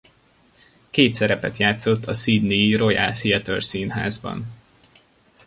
Két szerepet játszott a Sydney-i Royal Theatre színházban.